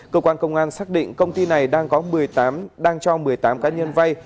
cơ quan công an xác định công ty này đang cho một mươi tám cá nhân vay